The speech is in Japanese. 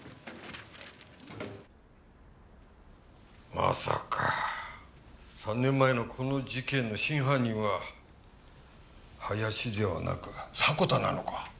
まさか３年前のこの事件の真犯人は林ではなく迫田なのか？